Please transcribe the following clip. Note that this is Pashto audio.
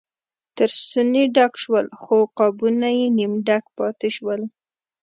تر ستوني ډک شول خو قابونه یې نیم ډک پاتې شول.